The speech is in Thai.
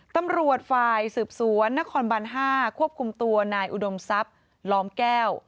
ตำรวจฝ่ายสืบสวนนครบัน๕ควบคุมตัวนายอุดมทรัพย์ล้อมแก้ว